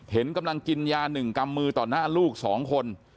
เห็นกำลังกินยา๑กำมือต่อหน้าลูก๒คน